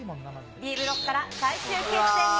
Ｂブロックから最終決戦に進